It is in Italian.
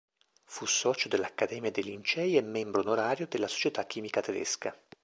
Fu socio dell'Accademia dei Lincei e membro onorario della Società Chimica Tedesca.